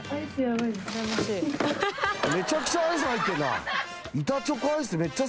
めちゃくちゃアイス入ってるな。